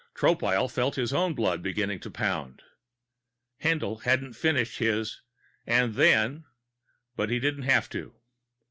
Tropile felt his own blood begin to pound. Haendl hadn't finished his "and then " but he didn't have to.